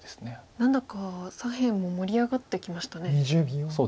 何だか左辺も盛り上がってきましたね。